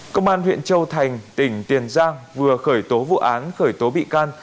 công an huyện châu thành tỉnh tiền giang vừa khởi tố vụ án khởi tố bị can